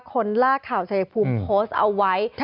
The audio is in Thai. คนลากข่าวเฉพาะโพสต์เอาไว้